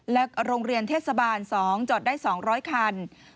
และโรงเรียนเทศบาล๒จอดได้๒๐๐คัน